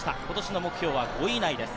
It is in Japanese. ことしの目標は５位以内です。